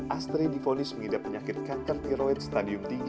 astridi fonis mengidap penyakit kanker tiroid stadium tiga